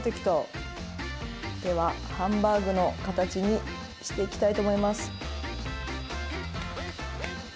ではハンバーグの形にしていきたいと思います。